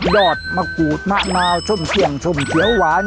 อดมะกรูดมะนาวส้มเสี่ยงส้มเขียวหวาน